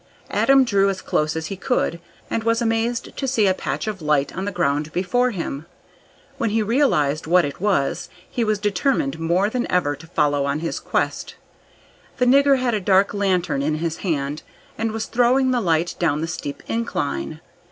Adam drew as close as he could, and was amazed to see a patch of light on the ground before him; when he realised what it was, he was determined, more than ever to follow on his quest. The nigger had a dark lantern in his hand, and was throwing the light down the steep incline.